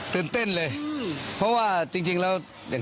ตื่นเต้นเลยเพราะว่าจริงแล้วอย่าง